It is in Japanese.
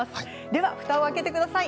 では、ふたを開けてください。